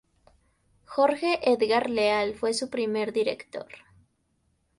Jorge Edgar Leal fue su primer director.